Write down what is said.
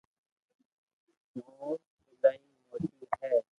مونٽ ايلائي موٽي ھي